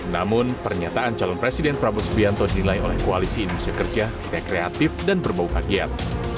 namun pernyataan calon presiden prabowo subianto dinilai oleh koalisi indonesia kerja rekreatif dan berbau kagiat